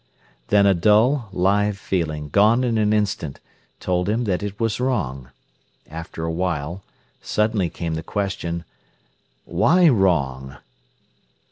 Then a dull, live feeling, gone in an instant, told him that it was wrong. After a while, suddenly came the question: "Why wrong?"